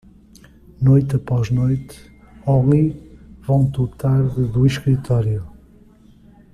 Noite após noite, Holly voltou tarde do escritório.